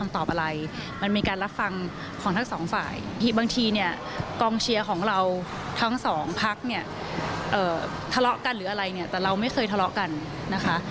ทะเลาะกันหรืออะไรเนี่ยแต่เราไม่เคยทะเลาะกันนะคะ